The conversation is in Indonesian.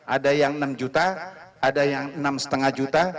ada yang enam juta ada yang enam lima juta